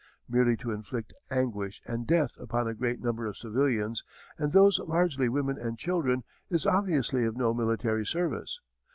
Merely to inflict anguish and death upon a great number of civilians, and those largely women and children, is obviously of no military service.